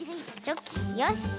チョキよし。